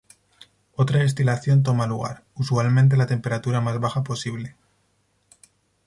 Otra destilación toma lugar, usualmente en la temperatura más baja posible.